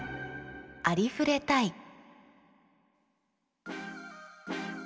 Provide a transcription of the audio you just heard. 「ありふれたい」。